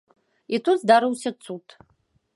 І тут здарыўся цуд.